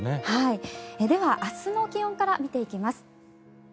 では、明日の気温から見ていきます。